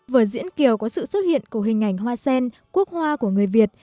vở diễn kiều có sự xuất hiện của hình ảnh hoa sen quốc hoa của người việt